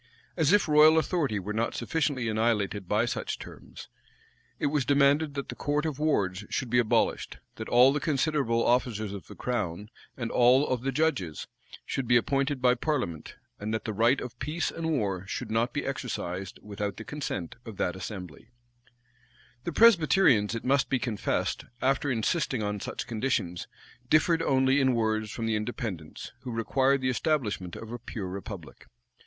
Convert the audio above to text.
As if royal authority were not sufficiently annihilated by such terms, it was demanded that the court of wards should be abolished; that all the considerable officers of the crown, and all the judges, should be appointed by parliament; and that the right of peace and war should not be exercised without the consent of that assembly.[*] * Rush. vol. vi. p. 850. Dugdale, p. 737. The Presbyterians, it must be confessed, after insisting on such conditions, differed only in words from the Independents, who required the establishment of a pure republic.